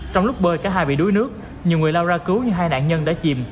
trong lúc bơi cả hai bị đuối nước nhiều người lao ra cứu nhưng hai nạn nhân đã chìm